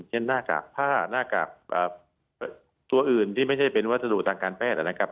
หน้ากากผ้าหน้ากากตัวอื่นที่ไม่ใช่เป็นวัสดุทางการแพทย์นะครับ